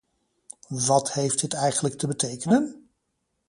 Wat heeft dit eigenlijk te betekenen?